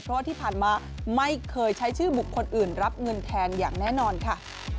เพราะว่าที่ผ่านมาไม่เคยใช้ชื่อบุคคลอื่นรับเงินแทนอย่างแน่นอนค่ะ